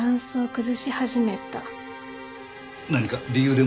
何か理由でも？